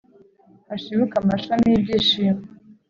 hashibuke amashami y’iby’ishimo